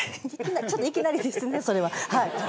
ちょっといきなりですねそれははい。